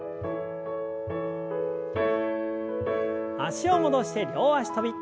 脚を戻して両脚跳び。